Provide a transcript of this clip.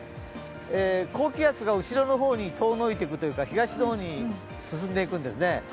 高気圧が後ろの方に遠のいていくというか、東の方に進んでいくんですね。